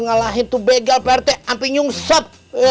ngalahin tuh begal pak rt ampir nyungsap